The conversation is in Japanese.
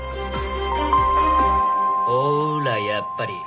ほらやっぱり。